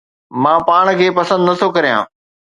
مان پاڻ کي پسند نٿو ڪريان